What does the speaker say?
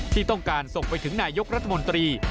ที่ต้องการส่งไปถึงนายกรัฐมนตรี